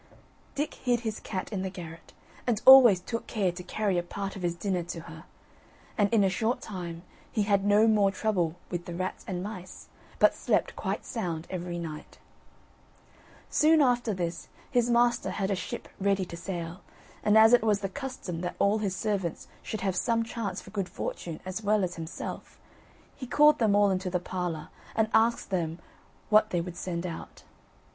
Dick hid his cat in the garret, and always took care to carry a part of his dinner to her; and in a short time he had no more trouble with the rats and mice, but slept quite sound every night. Soon after this, his master had a ship ready to sail; and as it was the custom that all his servants should have some chance for good fortune as well as himself, he called them all into the parlour and asked them what they would send out.